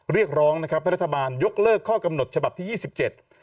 เรียกร้องนะครับให้รัฐบาลยกเลิกข้อกำหนดฉบับที่ยี่สิบเจ็ด